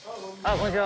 こんにちは。